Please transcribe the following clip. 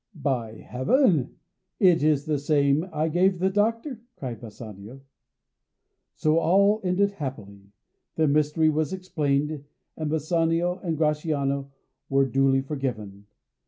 "By heaven it is the same I gave the doctor!" cried Bassanio. So all ended happily. The mystery was explained, and Bassanio and Gratiano were duly forgiven.